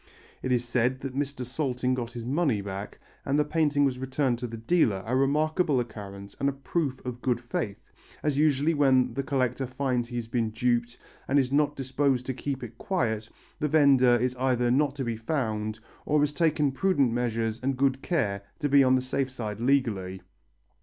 It is said that Mr. Salting got his money back, and the painting was returned to the dealer; a remarkable occurrence and a proof of good faith, as usually when the collector finds he has been duped and is not disposed to keep it quiet, the vendor is either not to be found or he has taken prudent measures and good care to be on the safe side legally.